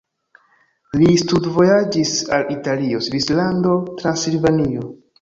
Li studvojaĝis al Italio, Svislando, Transilvanio.